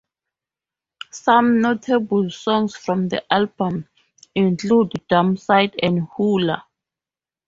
Some notable songs from the album include "Dumpsite", and "Hula".